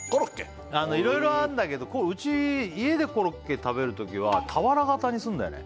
いろいろあんだけどうち家でコロッケ食べるときは俵型にするんだよね